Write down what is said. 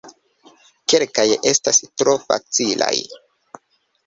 Kelkaj estas tro facilaj.